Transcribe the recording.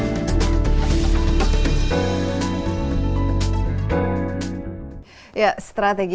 kepala kepala kepala tentara di indonesia